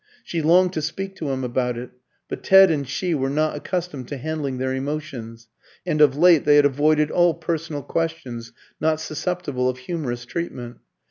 She longed to speak to him about it; but Ted and she were not accustomed to handling their emotions, and of late they had avoided all personal questions not susceptible of humorous treatment.